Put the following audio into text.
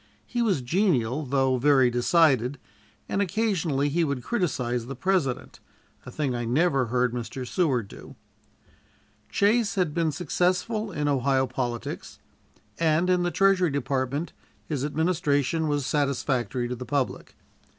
He was genial, though very decided, and occasionally he would criticise the President, a thing I never heard Mr. Seward do. Chase had been successful in Ohio politics, and in the Treasury Department his administration was satisfactory to the public.